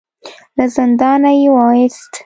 له زندانه يې وايست.